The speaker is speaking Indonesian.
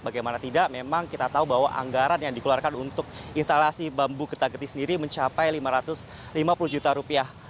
bagaimana tidak memang kita tahu bahwa anggaran yang dikeluarkan untuk instalasi bambu getah getih sendiri mencapai lima ratus lima puluh juta rupiah